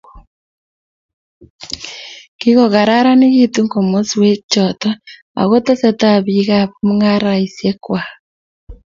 kikokararanitu komoswek choto ako tetesetai bik ab mungaresiek kwai